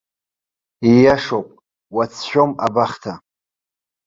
Ииашоуп, уацәшәом абахҭа.